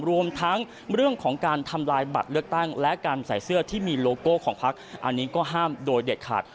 รวมทั้งเรื่องของการทำลายบัตรเลือกตั้งและการใส่เสื้อที่มีโลโก้ของพักอันนี้ก็ห้ามโดยเด็ดขาด